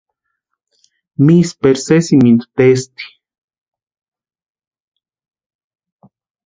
Misperu sesimintu testi.